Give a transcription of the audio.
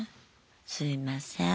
すいません。